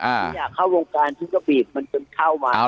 ที่อยากเข้าวงการฉันก็บีบมันจนเข้ามา